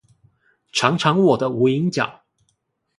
嚐嚐我的無影腳